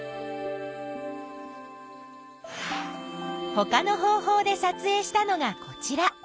ほかの方法でさつえいしたのがこちら。